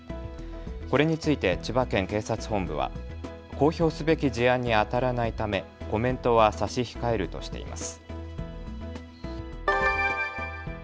これについて千葉県警察本部は公表すべき事案にあたらないためコメントは差し控えるとしています。